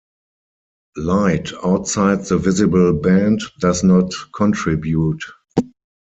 Light outside the visible band does not contribute.